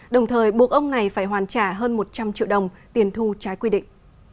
đồng thời buộc ông này phải hoàn trả hơn một trăm linh triệu đồng tiền thu trái quy định